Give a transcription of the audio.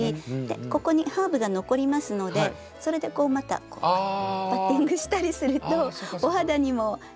ここにハーブが残りますのでそれでこうまたパッティングしたりするとお肌にもいいかなみたいな感じ。